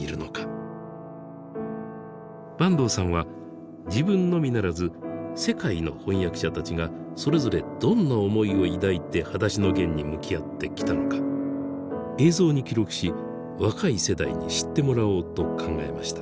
坂東さんは自分のみならず世界の翻訳者たちがそれぞれどんな思いを抱いて「はだしのゲン」に向き合ってきたのか映像に記録し若い世代に知ってもらおうと考えました。